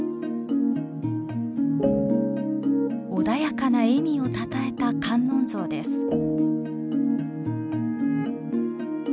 穏やかな笑みをたたえた観音像です。